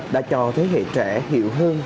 đã cho thế hệ trẻ hiểu hơn